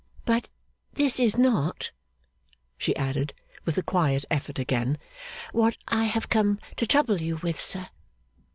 'But this is not,' she added, with the quiet effort again, 'what I have come to trouble you with, sir.